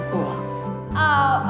oh oh aduh